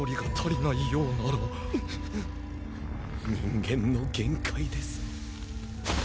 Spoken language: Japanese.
人間の限界です。